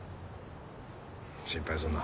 心配するな。